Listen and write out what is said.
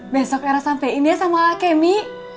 besok era sampein ya sama kemmy